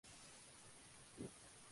Se ubica en el centro del distrito.